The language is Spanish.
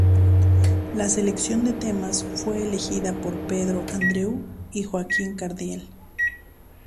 La selección de temas fue elegida por Pedro Andreu y Joaquín Cardiel.